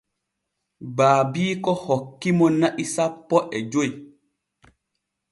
Baabiiko hoki mo na'i sanpo e joy.